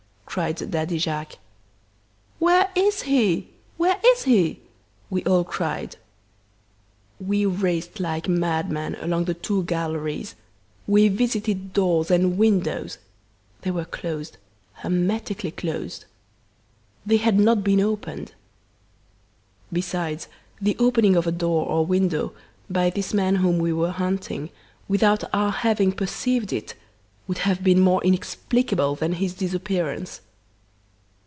cried Daddy Jacques. "'Where is he?' where is he?' we all cried. "We raced like madmen along the two galleries; we visited doors and windows they were closed, hermetically closed. They had not been opened. Besides, the opening of a door or window by this man whom we were hunting, without our having perceived it, would have been more inexplicable than his disappearance.